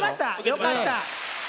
よかった。